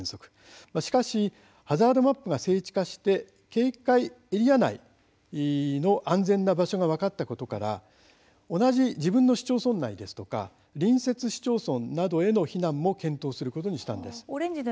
しかし、ハザードマップが精緻化して警戒エリア内の安全な場所が分かったことから同じ自分の市町村内ですとか隣接市町村などへの避難も検討することにしたんです。